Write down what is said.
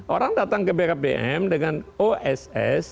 orang datang ke bkpm dengan oss